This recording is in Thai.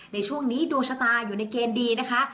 ในช่วงนี้ดวงชะตาอยู่ในเกณฑ์ดีนะคะ